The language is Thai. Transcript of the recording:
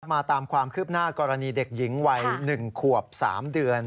มาตามความคืบหน้ากรณีเด็กหญิงวัย๑ขวบ๓เดือน